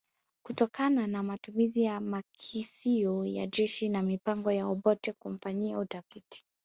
kutokana na matumizi ya makisio ya jeshi na mipango ya Obote kumfanyia utafiti